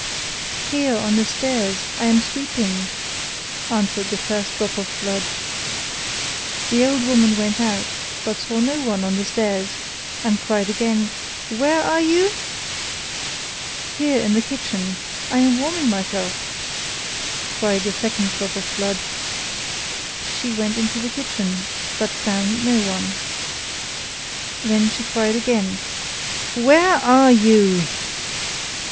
'Here, on the stairs, I am sweeping,' answered the first drop of blood. The old woman went out, but saw no one on the stairs, and cried again: 'Where are you?' 'Here in the kitchen, I am warming myself,' cried the second drop of blood. She went into the kitchen, but found no one. Then she cried again: 'Where are you?